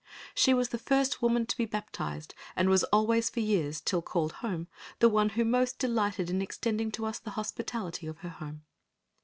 She was the first woman to be baptized and was always for years, till "called Home," the one who most delighted in extending to us the hospitality of her home.